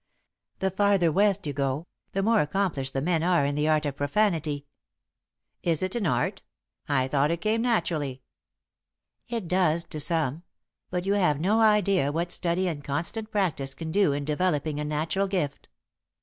The farther west you go, the more accomplished the men are in the art of profanity." [Sidenote: Sounds from the Attic] "Is it an art? I thought it came naturally." "It does, to some, but you have no idea what study and constant practice can do in developing a natural gift."